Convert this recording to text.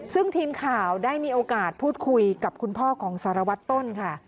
ซึ่งทีมข่าวได้มีโอกาสพูดคุยกับคุณพ่อของสารวัตรต้นค่ะ